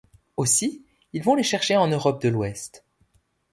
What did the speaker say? Aussi ils vont les chercher en Europe de l’Ouest.